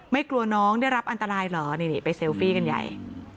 กลัวน้องได้รับอันตรายเหรอนี่ไปเซลฟี่กันใหญ่